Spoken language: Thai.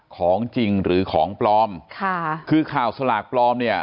ของจริงหรือของปลอมค่ะคือข่าวสลากปลอมเนี่ย